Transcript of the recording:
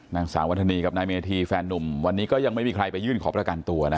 นางสาววัฒนีกับนายเมธีแฟนนุ่มวันนี้ก็ยังไม่มีใครไปยื่นขอประกันตัวนะ